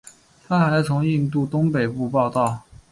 他还从印度东北部报道。